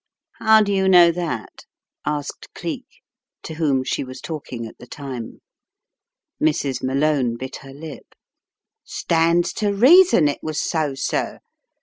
"How do you know that?" asked Cleek, to whom she was talking at the time* Mrs. Malone bit her lip. "Stands to reason it was so, sir.